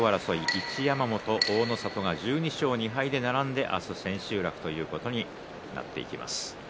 一山本と大の里が１２勝２敗で並んで明日千秋楽ということになっていきます。